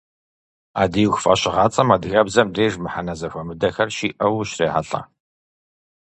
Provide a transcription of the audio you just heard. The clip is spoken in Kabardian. «Ӏэдииху» фӀэщыгъэцӀэм адыгэбзэм деж мыхьэнэ зэхуэмыдэхэр щиӀэу ущрехьэлӀэ.